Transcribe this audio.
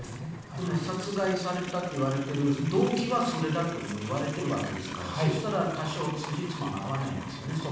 でも殺害されたといわれている動機は、それだともいわれているわけですからそしたら、多少つじつまが合わないんですよね。